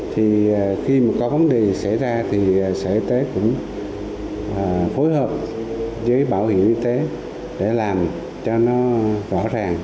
thì khi mà có vấn đề xảy ra thì sở y tế cũng phối hợp với bảo hiểm y tế để làm cho nó rõ ràng